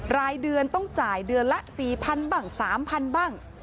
รายเดือนต้องจ่ายเดือนละ๔๐๐๐บ้าง๓๐๐๐บ้าง